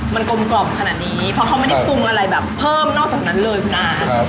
มันกลมกล่อมขนาดนี้เพราะเขาไม่ได้ปรุงอะไรแบบเพิ่มนอกจากนั้นเลยคุณอา